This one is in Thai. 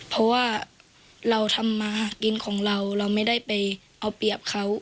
เพราะว่าเราทำมาหากินของเราเราไม่ได้ไปเอาเปรียบเขา